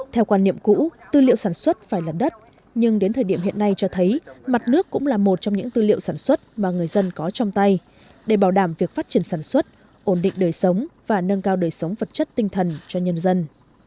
theo quan niệm cũ tư liệu sản xuất phải là đất nhưng đến thời điểm hiện nay cho thấy mặt nước cũng là một trong những tư liệu sản xuất mà người dân có trong tay để bảo đảm việc phát triển sản xuất ổn định đời sống và nâng cao đời sống vật chất tinh thần cho nhân dân